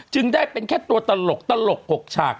ได้เป็นแค่ตัวตลกตลก๖ฉาก